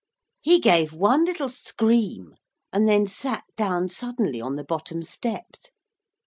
He gave one little scream, and then sat down suddenly on the bottom steps.